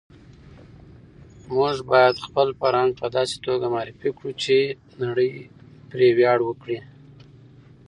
موږ باید خپل فرهنګ په داسې توګه معرفي کړو چې نړۍ پرې ویاړ وکړي.